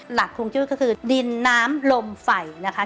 หลักคลุมจุดก็คือดินน้ำลมไฝนะคะ